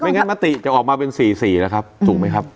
งั้นมติจะออกมาเป็น๔๔แล้วครับถูกไหมครับ